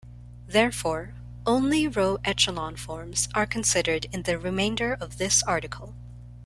Therefore only row echelon forms are considered in the remainder of this article.